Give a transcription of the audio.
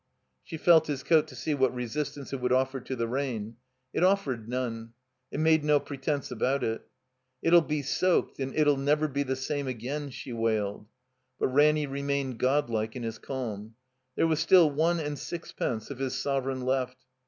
She felt his coat to see what resistance it would offer to the rain. It offered none. It made no pretense about it. "It '11 be soaked, and it '11 never be the same again," she wailed. But Ranny remained godlike in his calm. There was still one and sixpence of his sovereign left.